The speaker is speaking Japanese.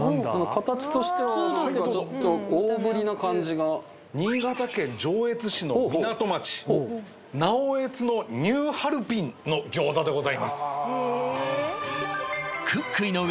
形としては何かちょっと大ぶりな感じが新潟県上越市の港町直江津のニューハルピンの餃子でございますクック井上。